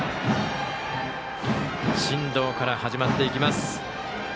進藤から始まっていきます。